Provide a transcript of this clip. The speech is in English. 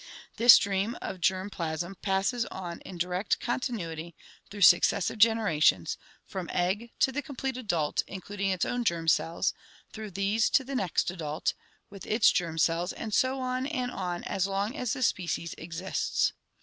This stream of germ plasm passes on in direct continuity through sue HEREDITY 145 cessive generations — from egg to the complete adult, including its own germ cells, through these to the next adult, with its germ cells, and so on and on as long as the species exists.